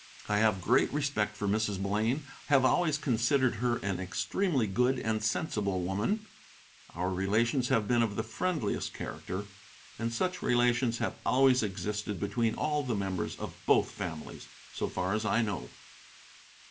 I have great respect for Mrs. Blaine, have always considered her an extremely good and sensible woman; our relations have been of the friendliest character, and such relations have always existed between all the members of both families, so far as I know.